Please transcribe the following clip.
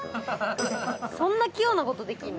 そんな器用なことできるの？